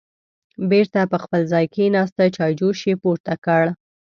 بېرته په خپل ځای کېناسته، چایجوش یې پورته کړه